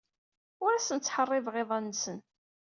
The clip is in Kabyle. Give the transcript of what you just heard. Ur asen-ttḥeṛṛibeɣ iḍan-nsen.